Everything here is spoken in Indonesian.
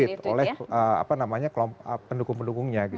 diritweet oleh apa namanya klomp pendukung pendukungnya gitu